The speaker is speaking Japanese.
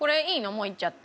もういっちゃって。